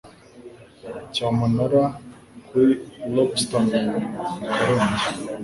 cyamunara kuri lobstermen ikarongi .